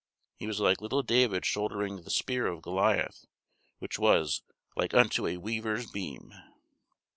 He was like little David shouldering the spear of Goliath, which was "like unto a weaver's beam."